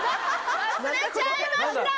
忘れちゃいました！